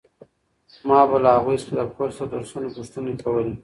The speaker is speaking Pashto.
ما به له هغوی څخه د کورس د درسونو پوښتنې کولې.